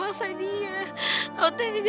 apa yang purse destrikan kamu